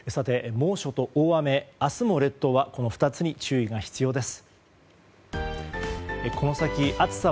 猛暑と大雨明日も列島はこの２つに注意が必要です。